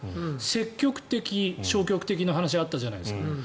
積極的、消極的の話あったじゃないですか。